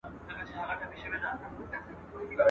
بس یوازي د یوه سړي خپلیږي.